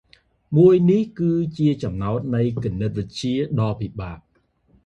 មួយនេះគឺជាចំណោតនៃគណិតវិទ្យាដ៏ពិបាក ។